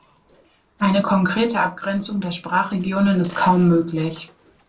Eine konkrete Abgrenzung der Sprachregionen ist kaum möglich.